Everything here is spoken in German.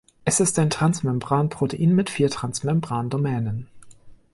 Es ist ein Transmembranprotein mit vier Transmembran-Domänen.